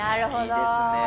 いいですね。